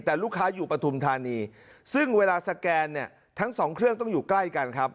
แต่ลูกค้าอยู่ปฐุมธานีซึ่งเวลาสแกนเนี่ยทั้งสองเครื่องต้องอยู่ใกล้กันครับ